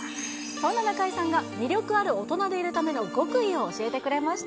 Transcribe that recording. そんな中井さんが魅力ある大人でいるための極意を教えてくれました。